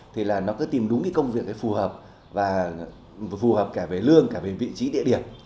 thì nó cứ tìm đúng công việc phù hợp phù hợp cả về lương cả về vị trí địa điểm